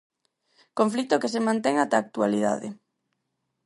Conflito que se mantén ata a actualidade.